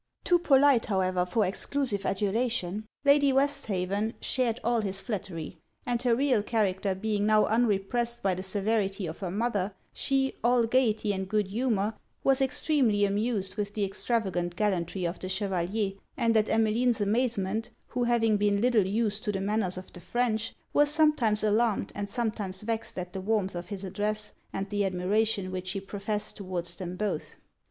Too polite however for exclusive adulation, Lady Westhaven shared all his flattery; and her real character being now unrepressed by the severity of her mother, she, all gaiety and good humour, was extremely amused with the extravagant gallantry of the Chevalier and at Emmeline's amazement, who having been little used to the manners of the French, was sometimes alarmed and sometimes vexed at the warmth of his address and the admiration which he professed towards them both.